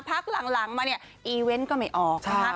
พักหลังมาเนี่ยอีเวนต์ก็ไม่ออกนะคะ